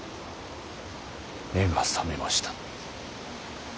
目が覚めました。